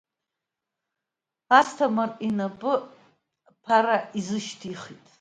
Асҭамыр инапы Ԥара изышьҭихит.